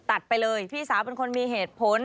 ตัดไปเลยพี่สาวเป็นคนมีเหตุผล